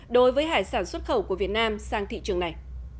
đối với hải sản xuất khẩu của việt nam sang thị trường này